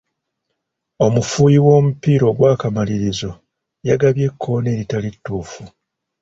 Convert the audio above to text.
Omufuuyi w'omupiira ogw'akamalirizo yagabye ekkoona eritali ttuufu.